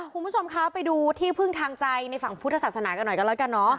คุณผู้ชมคะไปดูที่พึ่งทางใจในฝั่งพุทธศาสนากันหน่อยกันแล้วกันเนอะ